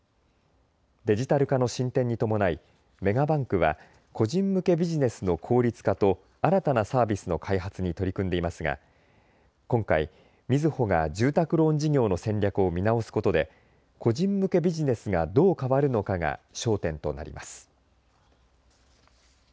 デジタル化の進展に伴いメガバンクは個人向けビジネスの効率化と新たなサービスの開発に取り組んでいますが今回、みずほが住宅ローン事業の戦略を見直すことで個人向けビジネスがどう変わるのかが焦点となります。